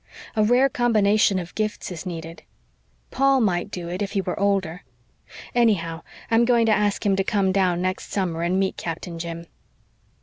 A rare combination of gifts is needed. Paul might do it if he were older. Anyhow, I'm going to ask him to come down next summer and meet Captain Jim."